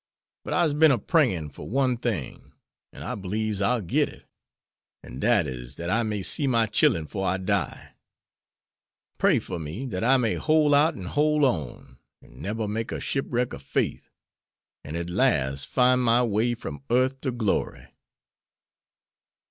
But I'se bin a prayin' fer one thing, an' I beliebs I'll git it; an' dat is dat I may see my chillen 'fore I die. Pray fer me dat I may hole out an' hole on, an' neber make a shipwrack ob faith, an' at las' fine my way from earth to glory."